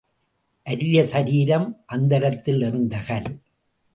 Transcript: அரிய சரீரம் அந்தரத்தில் எறிந்த கல்.